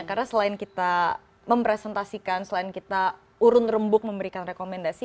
karena selain kita mempresentasikan selain kita urun rembuk memberikan rekomendasi